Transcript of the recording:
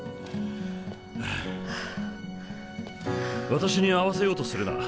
私に合わせようとするな。